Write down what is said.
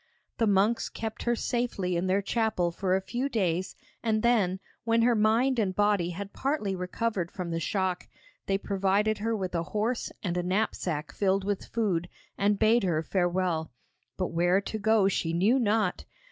The monks kept her safely in their chapel for a few days, and then, when her mind and body had partly recovered from the shock, they provided her with a horse and a knapsack filled with food, and bade her farewell. But where to go she knew not.